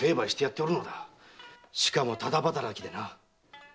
しかもただ働きでな。